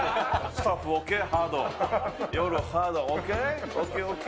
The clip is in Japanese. スタッフＯＫ？